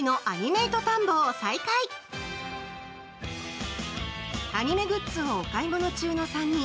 アニメグッズをお買い物中の３人。